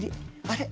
あれ？